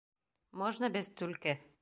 Можно без «түлке»?..